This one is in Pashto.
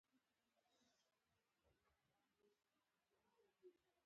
هېڅ پرې پوه نشوم.